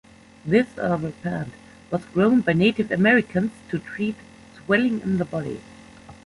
This herbal plant was grown by Native Americans to treat swelling in the body.